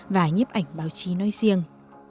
và nhiếp ảnh báo chí nói riêng